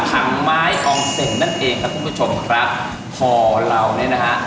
ถังไม้อองเซ็นนั่นเองครับคุณผู้ชมครับคอเราเนี่ยนะฮะ